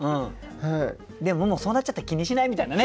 でももうそうなっちゃったら気にしないみたいなね。